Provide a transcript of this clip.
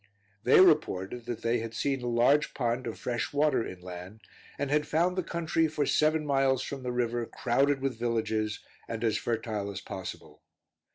They reported that they had seen a large pond of fresh water inland, and had found the country for seven miles from the river crowded with villages, and as fertile as possible.